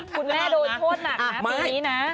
คุณแม่โดนโทษหนักนะปีนี้นะ